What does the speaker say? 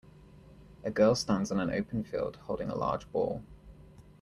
A girl stands on an open field holding a large ball.